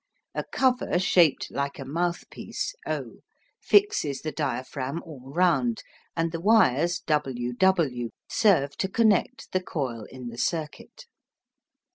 A cover shaped like a mouthpiece O fixes the diaphragm all round, and the wires W W serve to connect the coil in the circuit.